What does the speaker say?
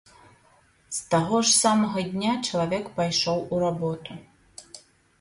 З таго ж самага дня чалавек пайшоў у работу.